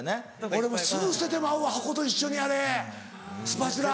俺もうすぐ捨ててまうわ箱と一緒にあれスパチュラ。